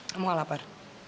kamu gak lapar